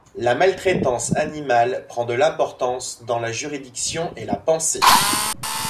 La maltraitance animale prend de l'importance dans la juridiction et la pensée.